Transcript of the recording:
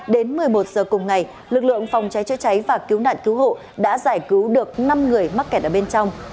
đến một mươi một giờ cùng ngày lực lượng phòng cháy chữa cháy và cứu nạn cứu hộ đã giải cứu được năm người mắc kẹt ở bên trong